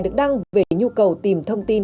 được đăng về nhu cầu tìm thông tin